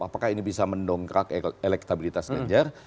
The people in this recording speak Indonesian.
apakah ini bisa mendongkrak elektabilitas ganjar